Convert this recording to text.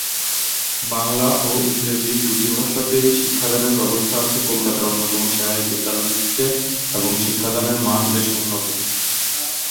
বাংলা ও ইংরাজী দুটি ভাষাতেই শিক্ষাদানের ব্যবস্থা আছে কলকাতার অন্যতম সেরা এই বিদ্যালয়টিতে এবং শিক্ষাদানের মান বেশ উন্নত।